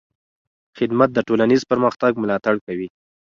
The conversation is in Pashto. خدمت د ټولنیز پرمختګ ملاتړ کوي.